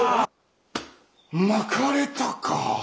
まかれたか。